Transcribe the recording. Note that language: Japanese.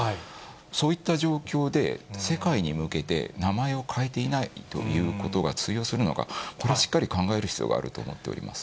そういった状況で、世界に向けて名前を変えていないということが通用するのか、これはしっかり考える必要があると思っています。